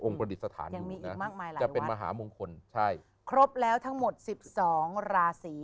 องค์ประดิษฐานอยู่นะจะเป็นมหามงคลใช่ครบแล้วทั้งหมด๑๒ราศี